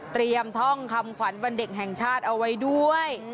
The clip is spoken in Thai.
ท่องคำขวัญวันเด็กแห่งชาติเอาไว้ด้วย